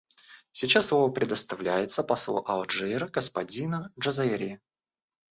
Сейчас слово предоставляется послу Алжира господину Джазайри.